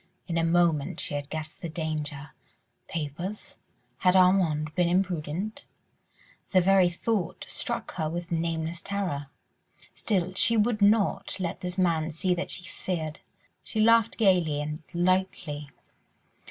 In a moment she had guessed the danger. Papers? ... Had Armand been imprudent? ... The very thought struck her with nameless terror. Still she would not let this man see that she feared; she laughed gaily and lightly.